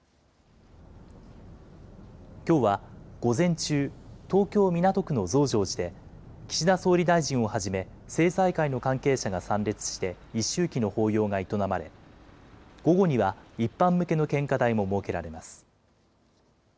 きょうは午前中、東京・港区の増上寺で、岸田総理大臣をはじめ、政財界の関係者が参列して一周忌の法要が営まれ、午後には一般向けの献花台も設けられます。